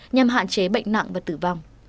nhằm hạn chế bệnh nặng và tử vong